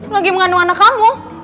lagi mengandung anak kamu